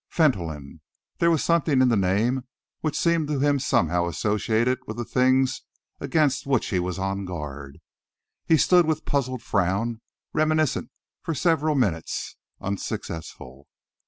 Fentolin! There was something in the name which seemed to him somehow associated with the things against which he was on guard. He stood with puzzled frown, reminiscent for several minutes, unsuccessful.